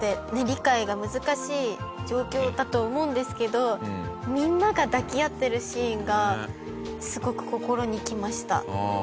理解が難しい状況だと思うんですけどみんなが抱き合ってるシーンがすごく心にきました。